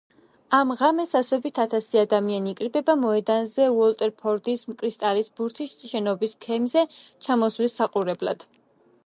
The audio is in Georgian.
ამ ღამეს ასობით ათასი ადამიანი იკრიბება მოედანზე უოტერფორდის კრისტალის ბურთის შენობის ქიმზე ჩამოსვლის საყურებლად.